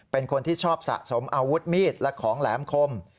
เป็นคนที่ชอบสะสมอาวุธมีดและของแหลมคม